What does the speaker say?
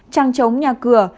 trăng trống nhà cửa